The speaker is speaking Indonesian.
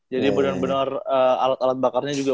jadi bener bener alat alat bakarnya juga